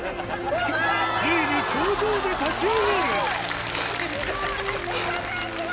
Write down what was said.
ついに頂上で立ち上がるはぁはぁ。